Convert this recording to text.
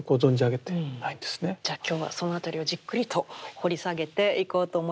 じゃあ今日はそのあたりをじっくりと掘り下げていこうと思います。